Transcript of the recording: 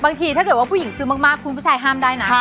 ถ้าเกิดว่าผู้หญิงซื้อมากคุณผู้ชายห้ามได้นะ